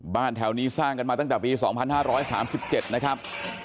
แถวนี้สร้างกันมาตั้งแต่ปี๒๕๓๗นะครับ